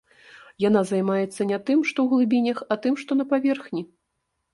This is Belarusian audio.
Яна займаецца не тым, што ў глыбінях, а тым, што на паверхні.